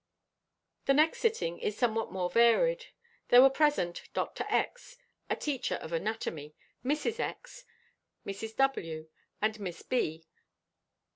The next sitting is somewhat more varied. There were present Dr. X., a teacher of anatomy, Mrs. X., Mrs. W. and Miss B. Dr.